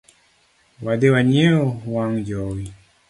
Wadhi wanyiew wang jowi